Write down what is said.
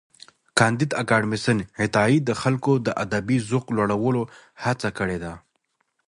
کانديد اکاډميسن عطایي د خلکو د ادبي ذوق لوړولو هڅه کړې ده.